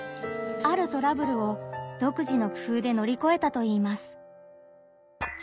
あるトラブルを独自の工夫でのりこえたといいます。